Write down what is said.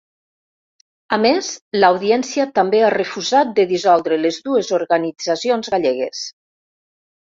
A més, l’audiència també ha refusat de dissoldre les dues organitzacions gallegues.